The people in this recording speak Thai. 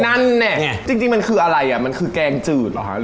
นั่นน่ะจริงมันคืออะไรอ่ะมันคือแกงจืดเหรอคะ